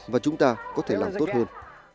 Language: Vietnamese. và chúng ta có thể làm tốt hơn